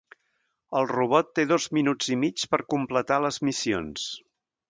El robot té dos minuts i mig per completar les missions.